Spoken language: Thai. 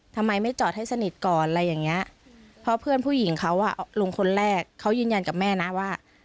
ทำไมไม่จอดให้สนิทก่อนอะไรอย่างเงี้ยเพราะเพื่อนผู้หญิงเขาอ่ะลุงคนแรกเขายืนยันกับแม่นะว่า